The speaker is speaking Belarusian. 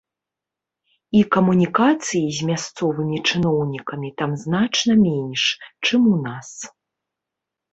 І камунікацыі з мясцовымі чыноўнікамі там значна менш, чым у нас.